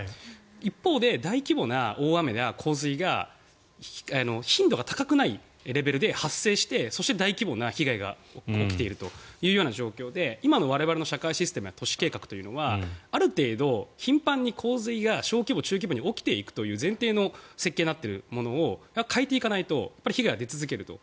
一方で大規模な大雨や洪水が頻度が高くないレベルで発生してそして、大規模な被害が起きている状況で今の我々の社会システムや都市計画というのはある程度頻繁に洪水が小規模、中規模に起きていくという前提の設計になっているものを変えていかないと被害は出続けると。